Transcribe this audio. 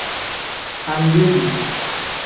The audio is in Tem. Andebi.